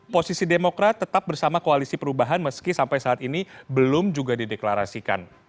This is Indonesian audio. posisi demokrat tetap bersama koalisi perubahan meski sampai saat ini belum juga dideklarasikan